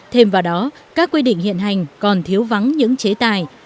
thêm vào đó các quy định hiện hành còn thiếu vắng những chế tài